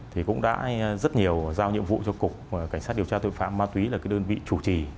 thì cũng đã rất nhiều giao nhiệm vụ cho cục cảnh sát điều tra tội phạm ma túy là cái đơn vị chủ trì